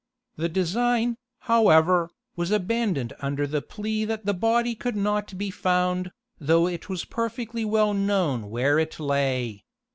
The design, however, was abandoned under the plea that the body could not be found, though it was perfectly well known where it lay.